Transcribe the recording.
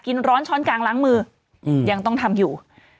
ร้อนช้อนกลางล้างมือยังต้องทำอยู่